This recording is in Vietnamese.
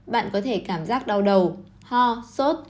bạn có thể cảm giác đau đầu ho sốt